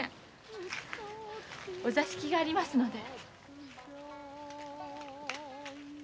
お座敷がありますので。